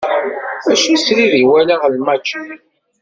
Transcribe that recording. Mačči srid i walaɣ lmač-nni.